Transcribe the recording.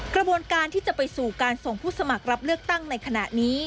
กระบวนการที่จะไปสู่การส่งผู้สมัครรับเลือกตั้งในขณะนี้